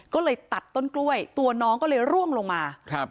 ก็เลยตัดต้นกล้วยตัวน้องก็เลยร่วงลงมาครับ